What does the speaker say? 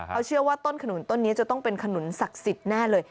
เขาเชื่อว่าต้นขนุนต้นนี้จะต้องเป็นขนุนศักดิ์สิทธิ์แน่เลย